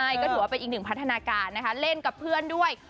ใช่ก็ถือว่าเป็นอีกหนึ่งพัฒนาการนะคะเล่นกับเพื่อนด้วย